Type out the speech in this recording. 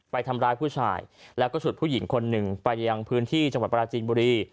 ไปทำร้ายผู้ชายแล้วก็ฉุดผู้หญิงคนหนึ่งไปยังพื้นที่จังหวัดปราจีนบุรี